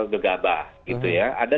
gegabah gitu ya ada